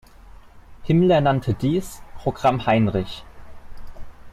Himmler nannte dies „Programm Heinrich“.